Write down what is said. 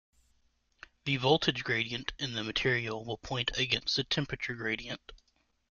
The voltage gradient in the material will point against the temperature gradient.